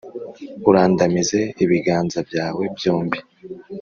urandamize ibiganza byawe byombi.